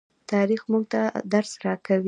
تاریخ موږ ته درس راکوي.